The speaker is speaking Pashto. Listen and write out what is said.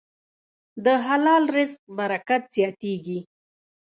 د حلال رزق برکت زیاتېږي.